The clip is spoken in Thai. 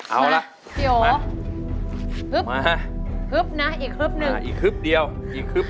แล้วแอลคุยอะไรกับแม่อีกครึ่บเดียวกันนะครับ